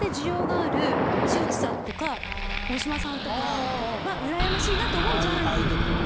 塩地さんとか大島さんとかは羨ましいなと思うジャンル。